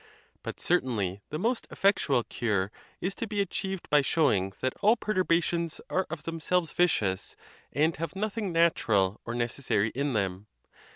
But cer tainly the most effectual cure is to be achieved by show ing that all perturbations are of themselves vicious, and have nothing natural or necessary in them.